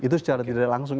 itu secara tidak langsung